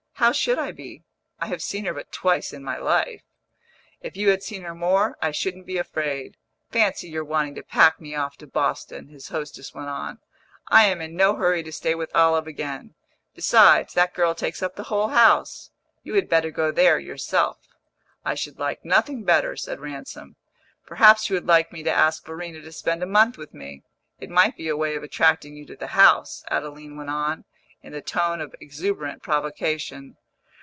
"How should I be? I have seen her but twice in my life." "If you had seen her more, I shouldn't be afraid! Fancy your wanting to pack me off to Boston!" his hostess went on. "I am in no hurry to stay with Olive again; besides, that girl takes up the whole house. You had better go there yourself." "I should like nothing better," said Ransom. "Perhaps you would like me to ask Verena to spend a month with me it might be a way of attracting you to the house," Adeline went on, in the tone of exuberant provocation.